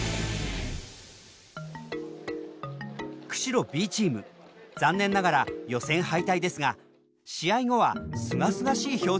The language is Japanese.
釧路Ｂチーム残念ながら予選敗退ですが試合後はすがすがしい表情をしていました。